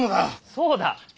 そうだ。